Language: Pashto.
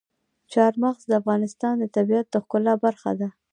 چار مغز د افغانستان د طبیعت د ښکلا برخه ده.